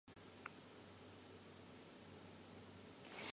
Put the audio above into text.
Debbo maako waddani mo nyamndu.